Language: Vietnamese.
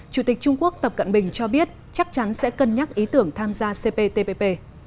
chủ tịch trung quốc tập cận bình cho biết chắc chắn sẽ cân nhắc ý tưởng tham gia cptpp